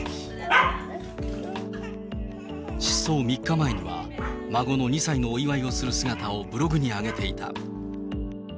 失踪３日前には、孫の２歳のお祝いをする姿をブログに上げていた。